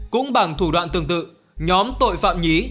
cũng bằng thủ đoạn tương tự nhóm tội phạm nhí